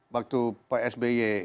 waktu pak sby